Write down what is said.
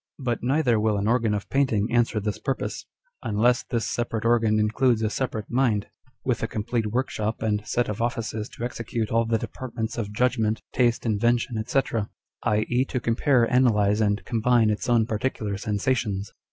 But neither will an organ of painting answer this purpose, unless this separate organ includes a separate mind, with a complete workshop and set of offices to execute all the departments of judgment, taste, invention, &c., i.e., to compare, analyse, and combine its own particular sensations.